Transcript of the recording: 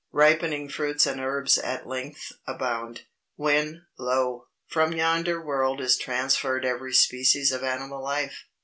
Ripening fruits and herbs at length abound. When, lo! from yonder world is transferred every species of animal life.